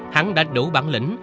hắn đã đủ bản lĩnh